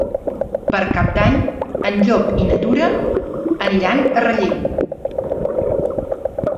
Per Cap d'Any en Llop i na Tura aniran a Relleu.